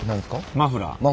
マフラー？